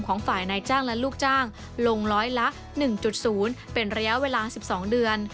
ของฝ่ายนายจ้างและลูกจ้างลงร้อยละ๑๐เป็นระยะเวลา๑๒เดือน